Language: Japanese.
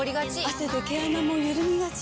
汗で毛穴もゆるみがち。